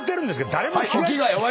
⁉誰も。